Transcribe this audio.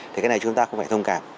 thì cái này chúng ta không phải thông cảm